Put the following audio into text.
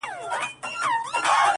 ادب کي دا کيسه پاتې کيږي،